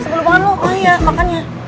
sebelum makan lo ah iya makannya